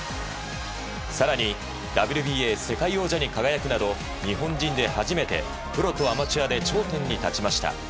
更に、ＷＢＡ世界王者に輝くなど日本人で初めてプロとアマチュアで頂点に立ちました。